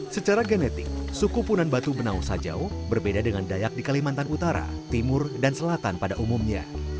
secara genetik suku punan batu benau sajau berbeda dengan dayak di kalimantan utara timur dan selatan pada umumnya